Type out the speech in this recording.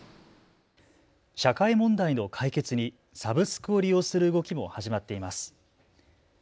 社会問題の解決にサブスクを利用する動きも始まっています。